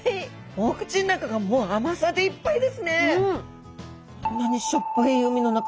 お口の中がもう甘さでいっぱいですね。